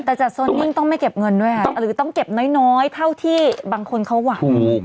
แต่จัดโซนนิ่งต้องไม่เก็บเงินด้วยค่ะหรือต้องเก็บน้อยเท่าที่บางคนเขาหวัง